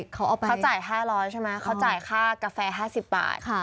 เขาเอาไปเขาจ่าย๕๐๐ใช่ไหมเขาจ่ายค่ากาแฟ๕๐บาท